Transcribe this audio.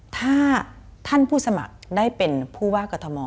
ถ้าท่านผู้สมัครได้เป็นผู้ว่ากรทม